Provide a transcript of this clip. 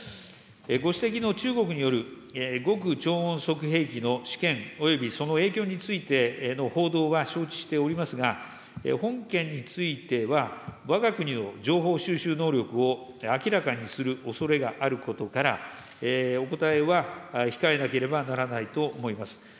ご指摘の中国による極超音速兵器の試験およびその影響についての報道は承知しておりますが、本件については、わが国の情報収集能力を明らかにするおそれがあることから、お答えは控えなければならないと思います。